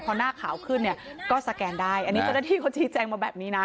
เพราะหน้าขาวขึ้นเนี่ยก็สแกนได้อันนี้จะได้ที่เขาจีนแจ้งมาแบบนี้นะ